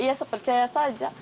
iya percaya saja